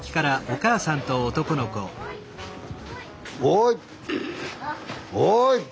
おい！